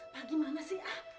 bagaimana sih ah